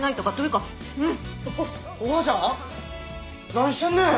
何してんねん！